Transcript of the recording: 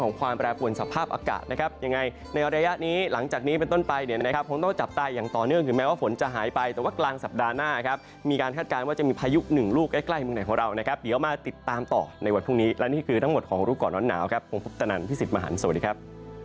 ก็คือทั้งหมดของรูปก่อนร้อนหนาวครับพรุ่งภพตนันทร์พี่สิทธิ์มหารสวัสดีครับ